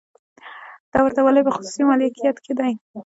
دا ورته والی په خصوصي مالکیت کې دی.